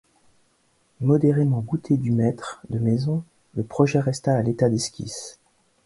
Modérément goûté du maître de maison, le projet resta à l'état d’esquisse.